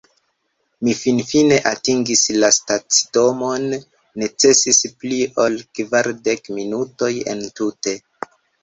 Mi finfine atingis la stacidomon necesis pli ol kvardek minutoj entute